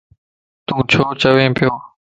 تو ڇو چوين پيو.